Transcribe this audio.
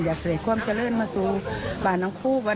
อยากให้ควรขยายทางออกมา